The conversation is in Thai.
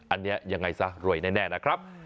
อันนี้ยังไงซะรวยแน่นะครับ